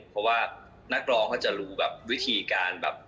เพราะว่านักร้องเขาจะรู้แบบวิธีการแบบ